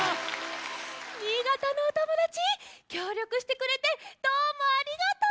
新潟のおともだちきょうりょくしてくれてどうもありがとう！